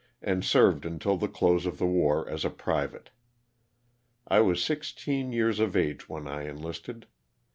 and served until the close of the war as a private. I was sixteen years of age when I enlisted.